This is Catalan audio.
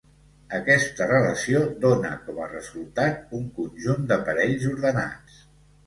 Aquesta relació dóna com a resultat un conjunt de parells ordenats.